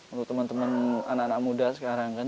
untuk teman teman anak anak muda sekarang kan